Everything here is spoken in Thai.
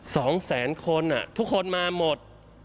สองแสนคนอ่ะทุกคนมาหมด